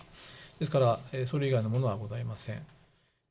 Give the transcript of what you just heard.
ですから、それ以外のものはございません。